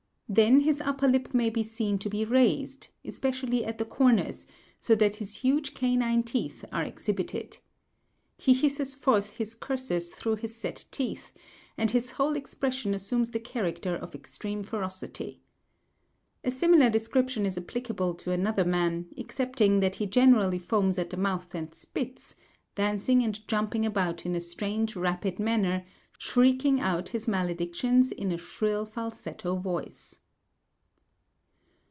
Then his upper lip may be seen to be raised, especially at the corners, so that his huge canine teeth are exhibited. He hisses forth his curses through his set teeth, and his whole expression assumes the character of extreme ferocity. A similar description is applicable to another man, excepting that he generally foams at the mouth and spits, dancing and jumping about in a strange rapid manner, shrieking out his maledictions in a shrill falsetto voice.